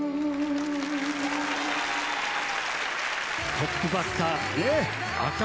トップバッター！